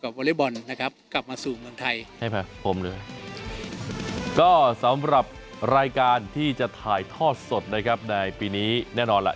ก็สำหรับรายการที่จะถ่ายท่อสดนะครับในปีนี้แน่นอนล่ะ